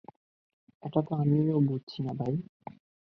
এটা তো আমিও বুঝছিনা, ভাই।